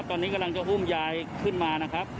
ตอนนี้กำลังจะอุ้มยายขึ้นมานะครับ